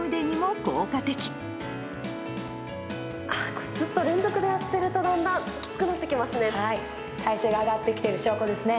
ああ、ずっと連続でやってるとだんだんきつくなってきますね。